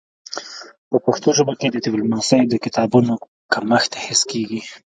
په پښتو ژبه کي د ډيپلوماسی د کتابونو کمښت حس کيږي.